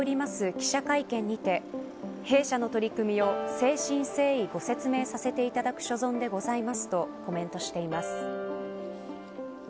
記者会見にて弊社の取り組みを誠心誠意ご説明させていただく所存でございますとコメントしています。